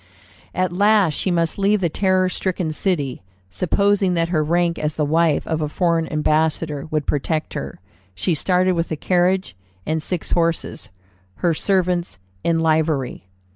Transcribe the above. At last she must leave the terror stricken city. Supposing that her rank as the wife of a foreign ambassador would protect her, she started with a carriage and six horses, her servants in livery.